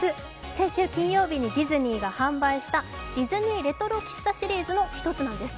先週金曜日にディズニーが販売したディズニーレトロ喫茶シリーズの一つなんです。